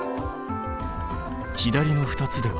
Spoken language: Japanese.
左の２つでは？